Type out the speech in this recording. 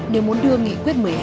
nếu muốn đưa nghị quyết một mươi hai